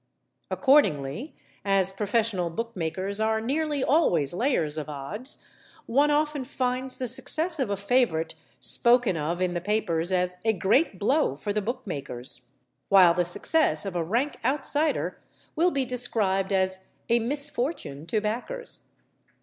Accordingly, as professional book makers are nearly always layers of odds, one often finds the success of a favourite spoken of in the papers as a 'great blow for the book makers,' while the success of a rank outsider will be described as 'a misfortune to backers.